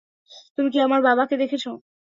তুমি কি আমার বাবাকে দেখেছো?